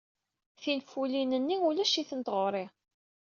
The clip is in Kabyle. Tinfulin-nni ulac-itent ɣer-i.